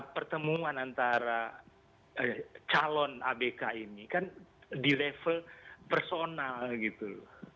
pertemuan antara calon abk ini kan di level personal gitu